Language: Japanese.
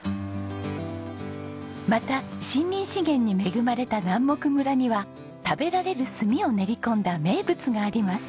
また森林資源に恵まれた南牧村には食べられる炭を練り込んだ名物があります。